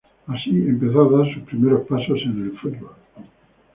Allí empezó a dar sus primeros pasos en el fútbol.